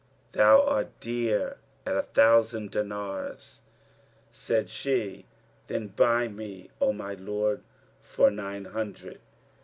Thou art dear at a thousand dinars." Said she, "Then buy me, O my lord, for nine hundred."